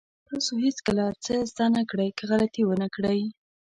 تاسو هېڅکله څه زده نه کړئ که غلطي ونه کړئ.